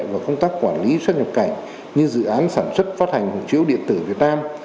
và công tác quản lý xuất nhập cảnh như dự án sản xuất phát hành hộ chiếu điện tử việt nam